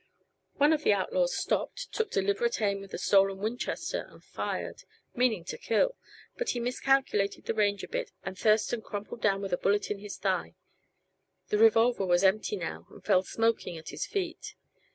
One of the outlaws stopped, took deliberate aim with the stolen Winchester and fired, meaning to kill; but he miscalculated the range a bit and Thurston crumpled down with a bullet in his thigh. The revolver was empty now and fell smoking at his feet.